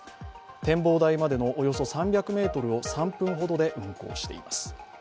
展望台までのおよそ３００ｍを３分ほどで運行しています。